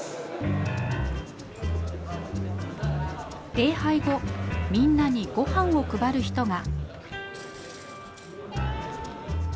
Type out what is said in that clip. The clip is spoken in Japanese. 礼拝後みんなにごはんを配る人が。